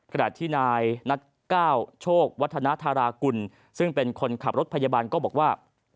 ขณะที่นายนัดก้าวโชควัฒนาธารากุลซึ่งเป็นคนขับรถพยาบาลก็บอกว่า